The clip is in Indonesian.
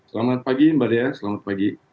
selamat pagi mbak dea selamat pagi